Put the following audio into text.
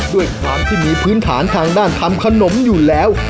ด้วยความที่มีพื้นฐานทางด้านทำขนมอยู่แล้ว